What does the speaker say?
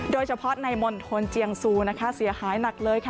โดยเฉพาะในหมณธนเจียงสูเสียหายหนักเลย